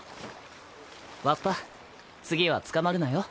わっぱ次は捕まるなよ。